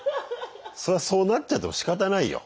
それはそうなっちゃってもしかたないよ。